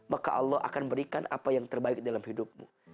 maka allah akan berikan apa yang terbaik dalam hidupmu